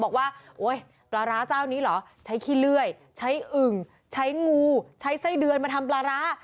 บอกว่าโอ๊ยปลาร้าเจ้านี้เหรอใช้ขี้เลื่อยใช้อึ่งใช้งูใช้ไส้เดือนมาทำปลาร้า